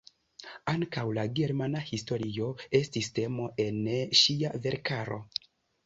Ankaŭ la germana historio estis temo en ŝia verkaro.